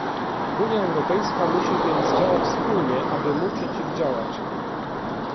Unia Europejska musi więc działać wspólnie, aby mu przeciwdziałać